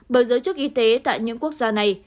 bởi giới chức y tế tại những quốc gia này